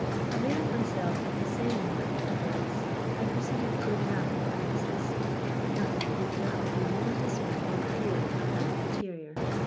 Availing my self of the same mode of ingress, I proceeded, to examine the premises. Nothing could well be more dismal or dreary than the interior.